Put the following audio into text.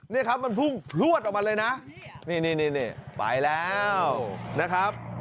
นี่ครับมันพุ่งพลวดออกมาเลยนะนี่ไปแล้วนะครับ